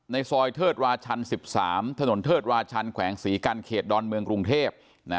ซอยเทิดวาชัน๑๓ถนนเทิดวาชันแขวงศรีกันเขตดอนเมืองกรุงเทพ